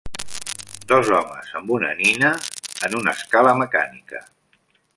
Dos homes amb una nina en una escala mecànica.